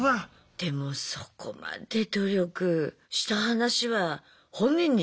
でもそこまで努力した話は本人にしたいけどね。